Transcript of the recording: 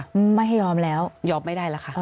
ไม่ทำอมความโดยผู้ไจ้แล้วไม่ยอมอมไม่ได้แล้วค่ะ